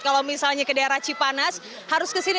kalau misalnya ke daerah cipanas harus ke sini